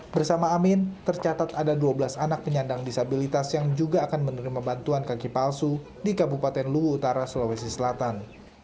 bersama amin tercatat ada dua belas anak penyandang disabilitas yang juga akan menerima bantuan kaki palsu di kabupaten luwu utara sulawesi selatan